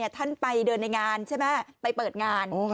ท่านไปเดินในงานใช่ไหมไปเปิดงาน